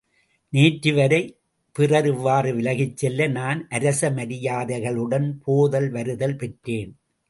நேற்று வரை பிறர் இவ்வாறு விலகிச் செல்ல, நான் அரசமரியாதைகளுடன் போதல் வருதல் பெற்றேன்.